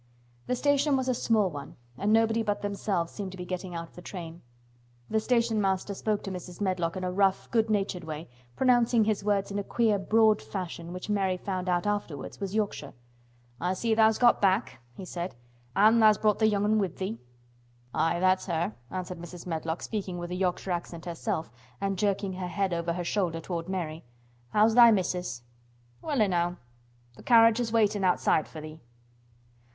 The station was a small one and nobody but themselves seemed to be getting out of the train. The station master spoke to Mrs. Medlock in a rough, good natured way, pronouncing his words in a queer broad fashion which Mary found out afterward was Yorkshire. "I see tha's got back," he said. "An' tha's browt th' young 'un with thee." "Aye, that's her," answered Mrs. Medlock, speaking with a Yorkshire accent herself and jerking her head over her shoulder toward Mary. "How's thy Missus?" "Well enow. Th' carriage is waitin' outside for thee."